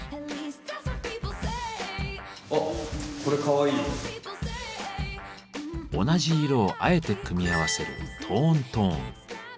あっ同じ色をあえて組み合わせる「トーントーン」。